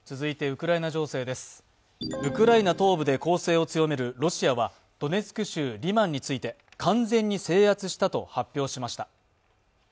ウクライナ東部で攻勢を強めるロシアはドネツク州リマンについて、完全に制圧したと発表しました。